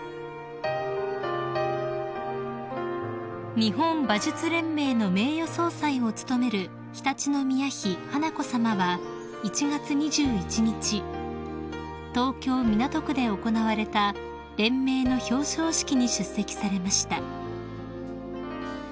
［日本馬術連盟の名誉総裁を務める常陸宮妃華子さまは１月２１日東京港区で行われた連盟の表彰式に出席されました］